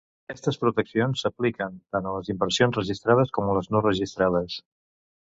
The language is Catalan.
Aquestes proteccions s'apliquen tant a les inversions registrades com a les no registrades.